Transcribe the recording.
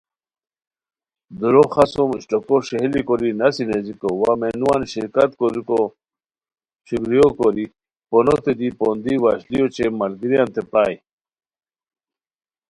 دُورو خاڅوم اشٹوکو ݰئیلی کوری نسی نیزیکو وا مینووان شرکت کوریکو شکریو کوری پونوتے دی پوندی وشلیو اوچے ملگیریانتے پرائے